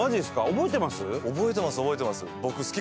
覚えてます覚えてます。